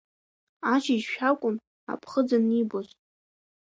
Ашьыжьшәакәын аԥхыӡ анибоз.